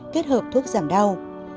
kết hợp thuốc giảm đau